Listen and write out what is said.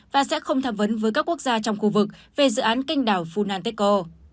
và sẽ không tham vấn với các quốc gia trong khu vực về dự án kênh đảo phunanteco